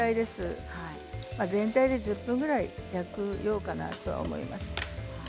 全体で１０分くらいで大丈夫かと思います。